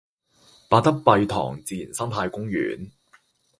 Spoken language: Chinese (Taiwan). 八德埤塘自然生態公園